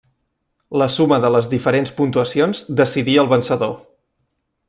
La suma de les diferents puntuacions decidí el vencedor.